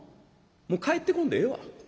もう帰ってこんでええわ。